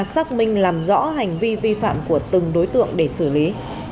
xác minh làm rõ hành vi vi phạm của từng đối tượng để xử lý